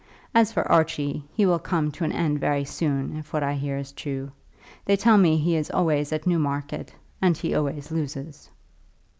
As for Archie, he will come to an end very soon, if what I hear is true. They tell me he is always at Newmarket, and that he always loses."